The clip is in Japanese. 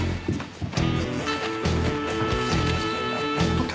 撮った？